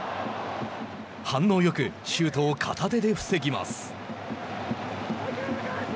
反応よくシュートを片手で防ぎます。